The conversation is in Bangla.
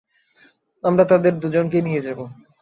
আমরা তাদের দুজনকেই নিয়ে যাবো।